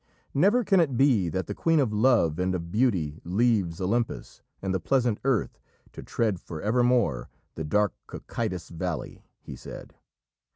"Never can it be that the Queen of Love and of Beauty leaves Olympus and the pleasant earth to tread for evermore the dark Cocytus valley," he said.